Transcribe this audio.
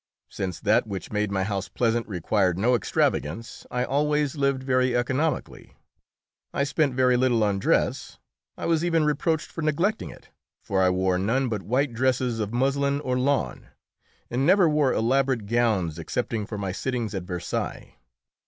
Since that which made my house pleasant required no extravagance, I always lived very economically. I spent very little on dress; I was even reproached for neglecting it, for I wore none but white dresses of muslin or lawn, and never wore elaborate gowns excepting for my sittings at Versailles.